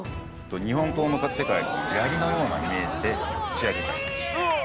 日本刀の世界でいう槍のようなイメージで仕上げてあります。